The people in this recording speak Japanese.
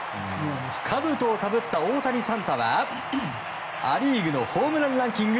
かぶとをかぶった大谷サンタはア・リーグのホームランランキング